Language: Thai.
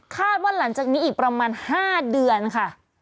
ว่าหลังจากนี้อีกประมาณ๕เดือนค่ะ